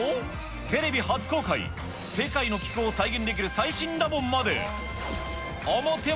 テレビ初公開、世界の気候を再現できる最新ラボまで。